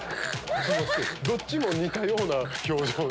どっちも似たような表情。